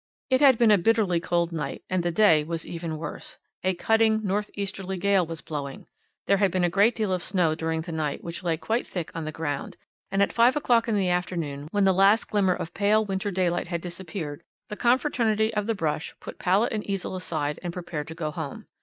"It had been a bitterly cold night, and the day was even worse; a cutting north easterly gale was blowing, there had been a great deal of snow during the night which lay quite thick on the ground, and at five o'clock in the afternoon, when the last glimmer of the pale winter daylight had disappeared, the confraternity of the brush put palette and easel aside and prepared to go home.